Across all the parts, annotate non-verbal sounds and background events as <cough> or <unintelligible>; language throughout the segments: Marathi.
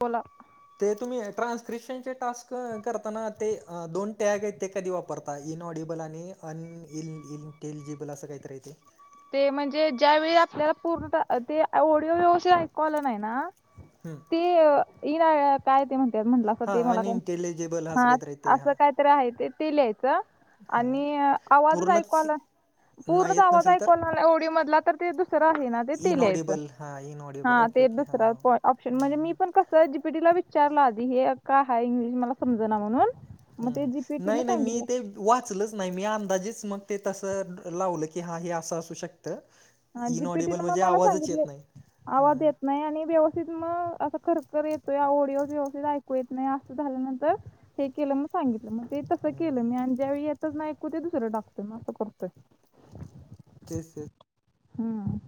बोला. ते तुम्ही ट्रान्स्क्रिप्शनचे टास्क करताना ते दोन टॅग आहेत ते कधी वापरता? -ता इन ऑडिबल आणि अनइल इटेलिजेबल असं काहीतरी आहे ते. ते म्हणजे ज्यावेळी आपल्याला पूर्ण ते ओडिओ व्यवस्थित ऐकू आले नाही ना- हम्म. की, काय ते म्हणत्या म्हणलं आता हां, ते मला काय? अनइंटेलिजिबल असं हां. काहीतरी आहे ते. हां, असं काय- तर आहे ते. ते लियाएच. हां. आणि आवाजच पूर्णच ऐकू आला, नाही पूर्णच येत आवाज नसेल ऐकू - तर कोणाला ओडी मधला तर ते दुसरं आहे ना? तर ते लिह - ऑडिबल. हां. इनऑडि - हां. ते दुसरा तो ऑप्शन. म्हणजे मी पण - <unintelligible> जी पी टी ला विचारल आधी हे काय ह? मला समज ना म्हणून. मग ते हं. जीपीटीनं नाही नाही मी सांगितलं ते- वाचलच नाही. मी अंदाजेच मग ते तसं लावलं की, हां. हे असं असू शकत. इनऑडिबल जीपीटीनं मग म्हणजे मला आवाजच सांगितले येत नाही. आवाज हं. येत नाही आणि व्यवस्थित मग असं खरखर येतो या. ओडिओ व्यवस्थित ऐकू येत नाही असं झाल्यानंतर- हे केलं. मग सांगितलं. मग ते तसं केलं मी. आणि ज्यावेळी येतच नाही कू ते दुसरं टाकतोय. म असं करतोय. केसे. हम्म.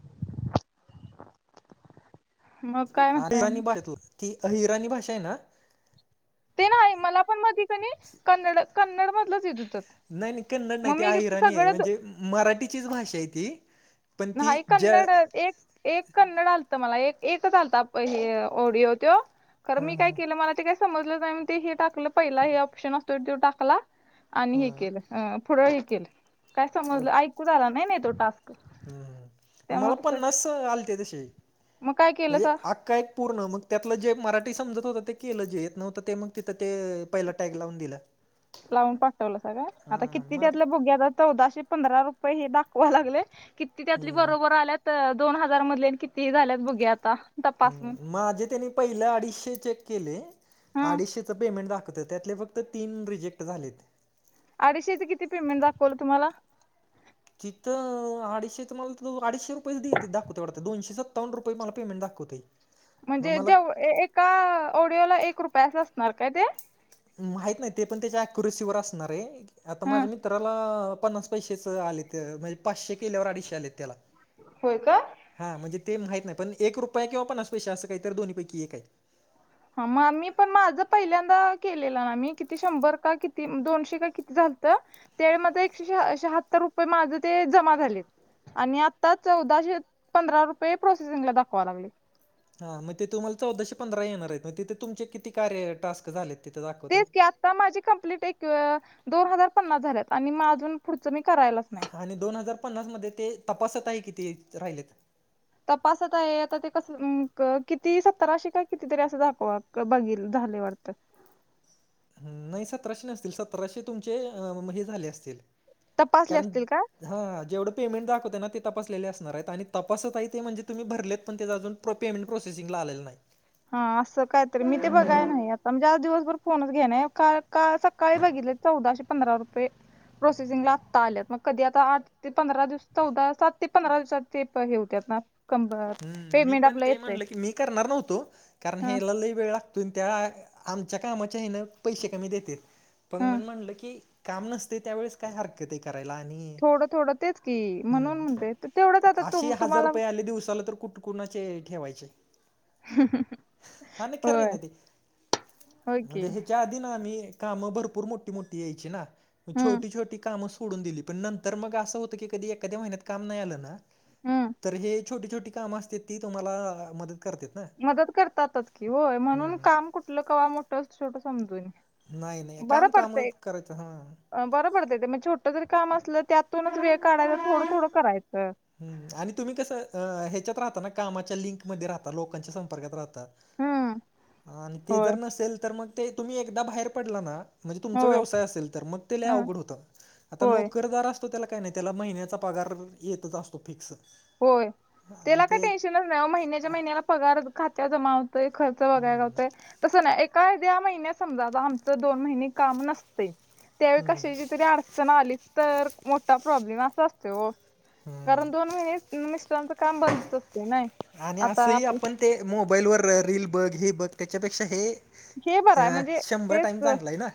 मग? काय म्हणताय आणि? <unintelligible> ती अहिराणी भाषा ए ना? ते ना? मला पण मध कणी कन्नड, कन्नड मधलंच येत होत. नाही नाही. कन्नड नाही ते अहिराणी आहे. म्हणजे मराठीचीच भाषा आहे ती. पण ती नाही जळ- कन्नड एक एक कन्नड आलतं मला. एक एकच आलता हे- ओडिओ तो. खर हा मी काय हा केलं? मला ते काय समजलं नाही. म ते हे टाकलं. पहिला हे ऑप्शन असतो त्यो टाकला. आणि हे केलं. हा हां. पुढं हे केलं. काय समजलं? ऐकूच आला नाही ना तो टास्क. हं. मला त्यामुळे तस पन्नास आलते तसे. मग काय केलं म्हणजे सा आख्खा ए - पूर्ण. मग त्यातलं जे मराठी समजत होतं ते केलं. जे येत नव्हतं ते मग तिथं ते पहिला टॅग लावून दिला. लावून टाक पहिलं सगळ. हा आता किती मग आता त्यातल्या भुग्या <unintelligible> चौदाशे पंधरा रुपये हे दाखवाय लागलेत. किती त्यातले हम्म बरोबर आल्यात - त दोन हजार मधले किती झाल्यात हे बघ आता. तपासून हं. माझे त्यांनी पहिले अडीचशे चेक केले. हा अडीचशेच पेमेंट दाखवत. त्यातले फक्त- -त तीन रिजेक्ट झालेत. अडीचशेचे किती पेमेंट दाखवल तुम्हाला? तिथं अडीशेच माहीत नाही मला. अडीचशे रुपयेच देत दाखवते. तेवढ दोनशे सत्तावन्न रुपये मला पेमेंट दाखवतय. म्हणजे जेव एका ऑडिओला एक रुपयाच असणार का ते? माहित नाही. ते पण त्याच्या ऍक्युरसीवर असणार ए. आता ह माझ्या मित्राला, पन्नास पैशच आलेत. म्हणजे पाचशे केल्यावर अडीचशे आलेत त्याला. होय का? हां. म्हणजे ते माहीत नाही. पण एक रुपया किंवा पन्नास पैसे, असं काही तर दोन्हीपैकी एक आहे. हं. मग मी पण माझं पहिल्यांदा केलेलं मी. किती शंभर का किती दोनशे का किती झालतं - ते म ते एकशे श-शहात्तर रुपये माझे ते जमा झालेत. आणि आता चौदाशे पंधरा रुपये प्रोसेसिंगला दाखवाय लागले. हां. मग ते तुम्हाला चौदाशे पंधरा येणार आहेत. मग तिथे तुमचे किती कार्य टास्क झालेत तिथे दाखवतय. तेच की आता माझी कंप्लीट एक- दोन हजार पन्नास झाल्यात. आणि म अजून पुढंच मी करायला - आणि दोन हजार पन्नास मध्ये ते तपासत आहे किती राहिलेत? तपासत आहे आता ते कस? किती सत्राशे का किती तरी असं दाखवा बघील झाले वाटतं. नाही सतराशे नसतील, सतराशे तुमचे मं हे झाले असतील. तपासले कारण असतील का? हा जेवढं पेमेंट दाखवतय ना ते तपासलेले असणार आहेत, आणि तपासत आहे ते म्हणजे तुम्ही भरलेत पण तेच अजून प पेमेंट प्रोसेसिंगला आलेलं नाही. हा असं काही तरी मी ते बघाया नाही यात. म्हणजे आज दिवसभर फोनच घेय नाही, काल काल सकाळी बघितले चौदाशे पंधरा रुपये. प्रोसेसिंगला आत्ता आल्यात मग कधी आता आठ ते पंधरा दिवस चौदा सात ते पंधरा दिवसात ते प हे होत्यात ना. कंम्बर हम्म मी पेमेंट पण आपलं ते येतंय. म्हणलं की मी करणार नव्हतो, कारण हेला लई वेळ लाग तुन त्या आमच्या कामाच्या हेनं पैसे कमी देतेत, पण ह मंग म्हणलं की. काम नसते त्यावेळेस काय हरकत आहे करायला आणि थोडं थोडं तेच की म्हणून हूं म्हणते तर तेवढंच आता तु असेही हजार तुम्हाला रुपये आले दिवसा. झाल तर कुठं कुणाचे ठेवायचे. हा नहीं खरं आहे होय ना ते होय की म्हणजे हे. त्या आधी ना आम्ही कामं भरपूर मोठी, मोठी यायची ना, मं हम्म छोटी, छोटी कामं सोडून दिली, पण नंतर मग असं होतं की कधी एखाद्या महिन्यात काम नाही आलं ना हम्म तर हे छोटी, छोटी कामं असत्यात ती तुम्हाला मदत करत्यात. मदत करतातच की होय, म्हणून काम कुठलं कवा मोठं छोटं समजू नये. नाही, नाही काम कामंच करायचं हं! बरं पडत ते म छोटं जरी काम असलं त्यातूनच वेळ काढायचा, थोडं, थोडं करायचं. हूं आणि तुम्ही कसं अ ह्याच्यात राहता ना कामाच्या लिंकमध्ये राहता, लोकांच्या संपर्कात राहता. हम्म आणि ते होय जर नसेल तर मग ते तुम्ही एकदा बाहेर पडला ना. म्हणजे तुमचा होय व्यवसाय असेल तर मग ते लई हम्म अवघड होतं, आता होय नोकरदार असतो त्याला काय नाही त्याला महिन्याचा पगार येतच असतो फिक्स. होय आणि त्याला काय ते टेन्शनच नाही ओ महिन्याच्या महिन्याला पगार खात्यात जमा होतोय खरं र्च हम्म भागवाय घावतंय तसं ना एखाद्या महिन्यात समजा ज आमचं दोन महिने काम नसतय. त्यावेळी कशाची तरी अडचण आली तर मोठा प्रॉब्लेम असा असतो ओ. हम्म. कारण दोन महिने मिस्टरांच काम बंदच असतय नाही आणि आता असंही आप आपण ते मोबाईलवर रील बघ, हे बघ त्याच्यापेक्षा हे हे बरं आहे अं म्हणजे शभर टाईम तेच चांगलाय ना.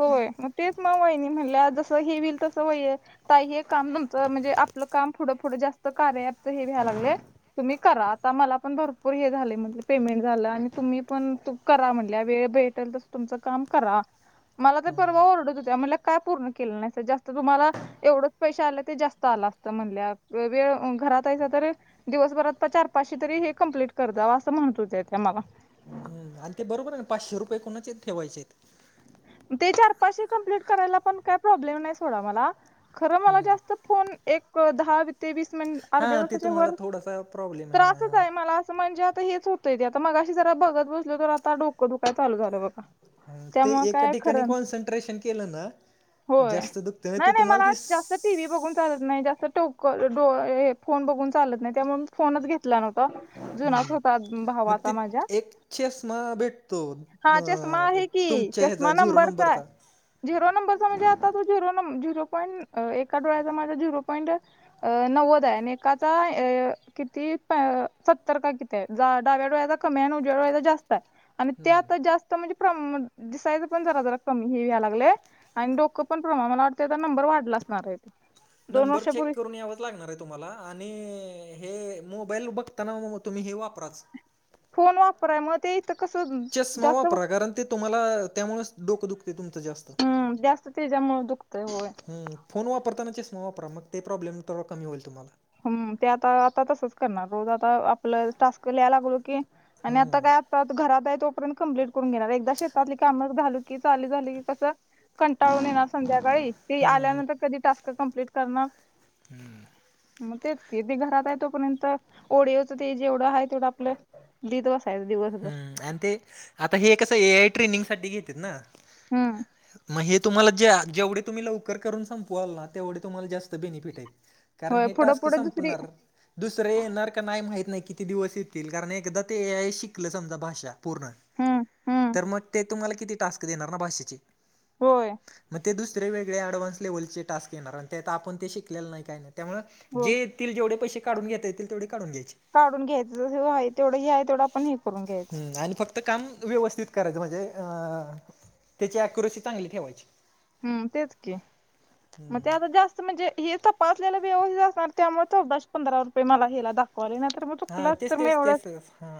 होय मग तेच म वाहिनी म्हणल्या जसं हे व्हील तसं होईल. आता हे काम तुमचं म्हणजे आपलं काम पुढं पुुढं जास्त कार्या ऍपच हे व्हाय लागलंय. तुम्ही करा आता मला पण भरपूर हे झालय म्हटले पेमेंट झालं आणि तुम्ही पण करा म्हण ल्या वेळ भेटल तसं तुमचं काम करा. मला तर परवा ओरडत होत्या म्हणल का पूर्ण केलं नाहीस जास्त तुम्हाला एवढंच पैसे आलं ते जास्त आलं असतं म्हणल्या. वेळ अ घरात हायसा तर. दिवसभरात प चार, पाचशे तरी हे कंप्लीट कर जावा असं म्हणत होत्या त्या मला. हं आणि ते बरोबर आहे ना पाचशे रुपये कुणाचे ठेवायचेत. ते चार पाचशें कंम्प्लेट करायला पण काय प्रॉब्लेम नाही सोडा मला खर मला जास्त फोन एक दहा ते वीस मिनट हा ते अर्ध्यातासाच्या तुम्हाला वर थोडासा प्रॉब्लेम हा त्रासच हा. आहे मला. म्हणजे आता हेच होतंय ते आता मगाशी जरा बघत बसलो तर आता डोकं दुकाय चालू झालं बघा. ह ते त्यामुळे एका काय ठिकाणी खरं कॉन्सन्ट्रेशन केलं ना जास्त दुखत नहीं त तुम्हाला ती टीव्ही बघून चालत नाही, जास्त टोक डो ए फोन बघून चालत नाही त्यामुळे मी फोनच घेतला नव्हता. जुनाच हम्म होता मग भावाचा ते माझ्या एक चष्मा भेटतो हा चष्मा अ आहे की तुमच्या च ह्याचा मा झिरो नंबरचाय नंबरचा झिरो नंबरचा म्हणजे आता तो झिरों नं झिरो पॉईंट अ एका डोळ्याचा माझा झिरो पॉईंट अ नव्वद आय आणि एकाचा अ किती अ सत्तर का कित ते डाव्या डोळ्याचा कमी ये आणि उजव्या डोळ्याचा जास्त हाय. आणि ते आता जास्त म्हणजे प्रम-दिसायचं पण जरा जरा कमी हे याय लागलंय आणि डोकं पण हं म मला वाटतंय आता नंबर वाढ नंबर चेक करून यावच लागणारये. तुम्हाला आणि हे मोबाईल बघताना म तुम्ही हे वापराच फोन वापराय म ते इथं कस चष्मा जास्त वापरा कारण ते तुम्हाला त्यामुळचं डोक दुखतयं तुमचं जास्त हम्म जास्त त्याच्यामुळचं दुखतय होय. हूं फोन वापरताना चष्मा वापरा मग ते प्रॉब्लेम थोडा कमी होईल तुम्हाला. हूं ते आता आता तसच करणार रोज आता आपल्याल टास्क लियाला लागलो की आणि आता हम्म काय त्यात घरात ये तोपर्यंत कंप्लीट करून घेणार एकदा शेतातली काम झाली की चालू झाली की कस कंटाळून येणार संध्याकाळी ती हम्म आल्यानंतर कधी टास्क क कंप्लीट करणार हम्म म तेच कि ती घरात हाय तोपर्यंत ऑडिओ च ते जेवढं हाय तेवढं आपल लिहत बस हम्म आणि ते आता हे कसं ए आय ट्रेनिंग साठी घेतेत ना हम्म म हे तुम्हाला ज्या जेवढे तुम्ही लव कर करून संपवाल ना तेवढे तुम्हाला जास्त बेनिफिट हाईत कारण होय हे पुढं टास्क पुढं दुसरी संपणार. दुसर येणार का नाय माहत नाय किती दिवस येतील कारण एकदा ते ए आय शिकलं समजा भाषा पूर्ण हम्म हम्म तर म ते तुम्हाला किती टास्क देणार ना भाषेचे होय. म ते दुसरे वेगळे ऍडव्हान्स लेव्हलचे टास्क येणार आणि त्यात आपण ते शिकलेला नाय काय नाय त्यामुळ हो जे येतील जेवढे पैसे काढून घेता येतील तेवढे काढून घ्यायचे. काढून घ्यायचं जे हाय तेवढं जे हाय तेवढं आपण हे करून घ्यायचं हम्म आणि फक्त काम व्यवस्थित करायचं म्हणजे अ त्याची अक्युरेसी चांगली ठेवायची. हम्म तेच की म ते आता जास्त अस म्हणजे हे तपासलेला व्यवस्थित असणार त्यामुळ चौदाशे पंधरा रुपये मला हेला दाखवाले नायतर मग हा चुकलं असतं तेच तर मग तेच एवढं तेसच हा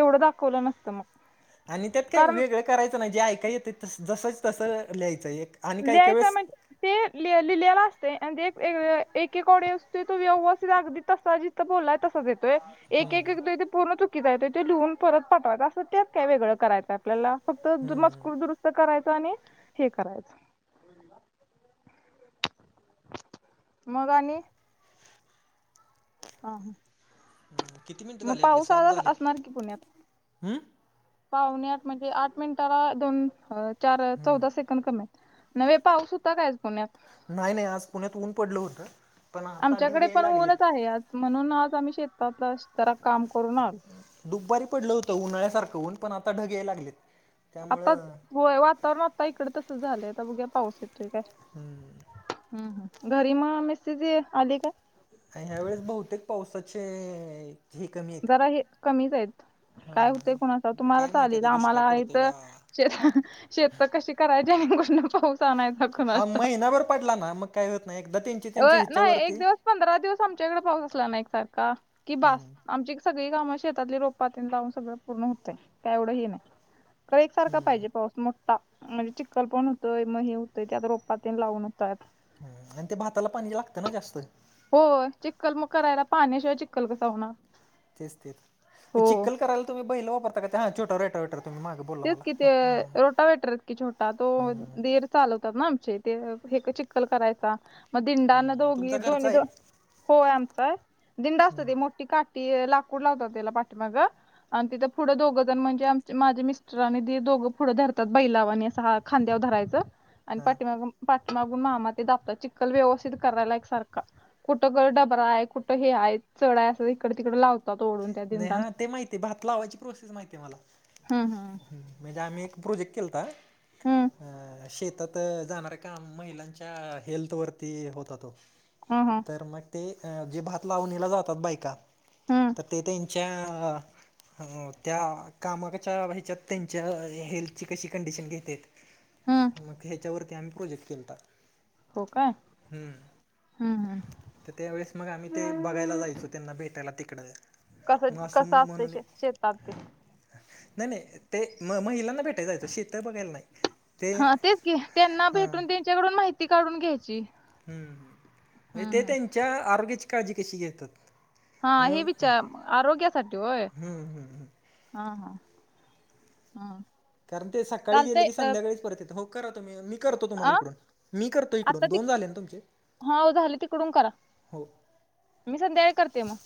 एवढं दाखवलं नसतं म आणि त्यात काय वेगळं करायचं नाय जे ऐकाय येतंय जसच तसं लिहाचंय एक आणि काही काही ल्याहाचय वेळेस म्हणजे ते लि लिहिलेला असतय आणि जे एक एक एक ऑडिओ असतोय तो व्यवस्थीत अगदी तसा जी त बोलाय तसाच येत तोय एक एक एक येतोय पूर्ण चुकीचा येतोय तो लिहून परत पाठवायचा असं त्यात काय वेगळं करायचाय. आपल्याला फक्त मजकूर दुरुस्त करायच आणि हे करायचं मग आणि हा हा किती मिनिटं म झाले आपले पाऊस सात आज झाले. असणार की पुण्यात हम्म पावणे आठ म्हणजे आठ मिनिटाला दोन अ चार चौदा सेक कंद कमी येत न्हवे पाऊस होता काय आज पुण्यात नाही नाही आज पुण्यात ऊन पडलं होतं. पण आता ढग आमच्याकडे याय पण ऊनच लागलेत आहे आज म्हणून आज आम्ही शेतातल जरा काम करून आल दुप्बारी पडलं होतं उन्हाळ्यासारखं होऊन पण आता ढग याय लागलेत. आता त्यामुळं होय वातावरण आता इकड तस झालंय आता बघूया पाऊस येतोय काय. हूं! हूं हूं घरी म मीसीजे आली काय? ह्या वेळेस बहुतेक पावसाचे हे कमी. आहेत रा हे कमीच आहेत, काय हा. होतय कुणास ठाऊक तुम्हाला काय माहिती चालेल आता दुष्काळ आम्हाला पडतोय इथं. का? शेत शेत त कशी करायची <unintelligible> पाऊस आणायचा हा कुणास ठाऊक महिनाभर पडला ना मग काय होत नाही, एकदा तेन. अ नाही एक दिवस पंधरा दिवस आमच्याकड पाऊस असला ना एकसारखा कि बास हम्म आमची सगळी कामं शेतातली रोपातीनं लावून सगळं पूर्ण होतय काय एवढं हे नाही. काय एकसारखा पाहिजे पाऊस मग. म्हणजे चिखल पण होतोय म हे होतय ते आता रोपातेन लावून होतात. ह आणि ते भाताला पाणी लागतं ना जास्त. हो चिक्कल म करायला, पाण्याशिवाय चिक्कल कसा होणार. तेच ते हो चिक्कल करायला तुम्ही बैल वापरता का ते हा छोटं रेटा वेटर तुम्ही माग तेच कि ते रोटा वेटरहेत की छोटा तो हम्म दीर चालवतात ना आमचे ते हे चिक्कल करायचा मग दिंडाना हम्म तुमचा दोघी घरचा दोन्ही आहे ज. होय आमचा दिंडा असत ते मोठी काठी लाकूड लावतात त्याला पाठीमाग. आण तिथं फुढं दोघं जण म्हणजे आमचे माझे मिस स्टर आणि दीर दोघं फुढं धरतात बैलावाणी असं हा खांद्यावर धरायचं आण हा पाठीमागून पाठीमागून मामा ते दाबतात, चिक्कल व्यवस्थित करायला एकसारका. कुठं गर डबरा आहे, कुठं हे आहे, चढ आहे, अस इकडे तिकड लावत. नही हा ते माहीती भात लावायची प्रोसीस माहीती मला. हम्म हम्म म्हणजे आम्ही एक प्रोजेक्ट केलता हम्म अ शेतात त जाणाऱ्या काम महिलांच्या हेल्थ वरती होता तो. ह हा! तर मग ते जे भात लावणीला जातात बायका हम्म त ते त्यांच्या अ त्या कामाकच्या ह्याच्यात त्यांच्या हेल्थची कशी कंडिशन घेते. हं! म ह्याच्यावरती आम्ही प्रोजेक्ट केलता. हो का हूं हूं! त त्यावेळेस मग आम्ही ते बघायला जायचो, त्यांना भेटायला तिकड. कसं मासुम कसं असते म्हणून शे एक शेतात ते. नाही, नाही ते म महिलांना भेटाया जायचो शेत बघायला नाही. ते हा तेच की त्यांना हां भेटून त्यांच्याकडून माहिती काढून घ्यायची. हूं! हं हं! च्या आरोग्याची काळजी कशी घेतात. हा हे हं विचा आरोग्यासाठी होय. हम्म हम्म हा हा हं! कारण ते सकाळी गेले की संध्याकाळीच परत येता, हो करा तुम्ही मी. करतो आ, तुम्हाला इकडून, मी करतो इकडून दोन झाले ना तुमचे. हो झालं तिकडून करा, हो मी संध्याकाळी करते मग.